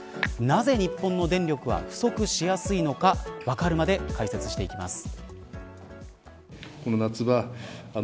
なぜ日本の電力は不足しやすいのかわかるまで解説していきます。